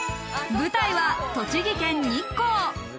舞台は栃木県日光。